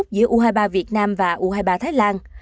giữa u hai mươi ba việt nam và u hai mươi ba thái lan